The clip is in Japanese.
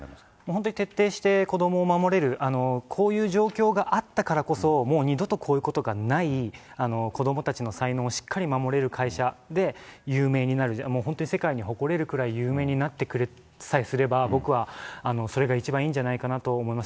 本当に徹底して子どもを守れる、こういう状況があったからこそ、もう二度とこういうことがない、子どもたちの才能をしっかり守れる会社で有名になる、世界に誇れるくらい、有名になってくれさえすれば、僕はそれが一番いいんじゃないかなと思います。